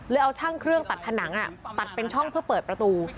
เอาช่างเครื่องตัดผนังตัดเป็นช่องเพื่อเปิดประตู